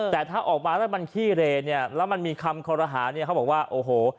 แต่ถ้าออกมาแล้วมันขี้เรย์เนี่ยแล้วมันมีคำคอรหาเนี่ยเขาบอกว่าโอ้โห